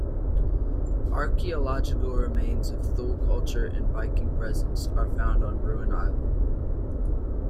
Archeological remains of Thule Culture and Viking presence are found on Ruin Island.